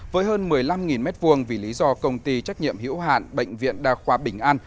với hơn một mươi năm m hai vì lý do công ty trách nhiệm hiểu hạn bệnh viện đà khoa bình an